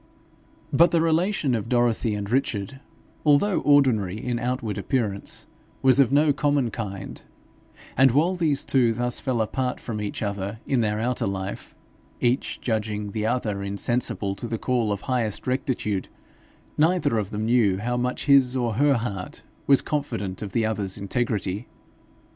But the relation of Dorothy and Richard, although ordinary in outward appearance, was of no common kind; and while these two thus fell apart from each other in their outer life, each judging the other insensible to the call of highest rectitude, neither of them knew how much his or her heart was confident of the other's integrity.